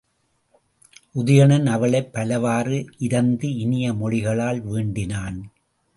உதயணன் அவளைப் பலவாறு இரந்து இனிய மொழிகளால் வேண்டினான்.